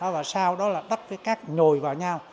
và sau đó là đắp với cát nhồi vào nhau